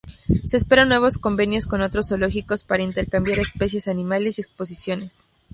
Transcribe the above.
Se esperan nuevos convenios con otros zoológicos, para intercambiar especies animales y exposiciones.